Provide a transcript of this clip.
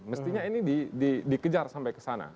mestinya ini dikejar sampai ke sana